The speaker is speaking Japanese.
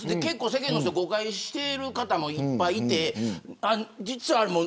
世間の人、誤解している方もいっぱいいて。